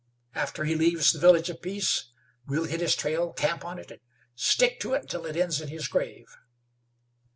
After he leaves the Village of Peace we'll hit his trail, camp on it, and stick to it until it ends in his grave."